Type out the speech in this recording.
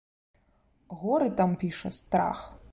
Горы там, піша, страх.